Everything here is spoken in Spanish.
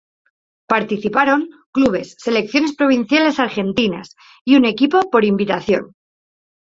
Participaron clubes, selecciones provinciales argentinas y un equipo por invitación.